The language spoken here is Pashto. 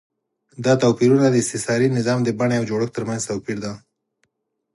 دا توپیرونه د استثاري نظام د بڼې او جوړښت ترمنځ توپیر دی.